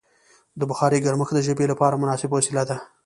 د بخارۍ ګرمښت د ژمي لپاره مناسبه وسیله ده.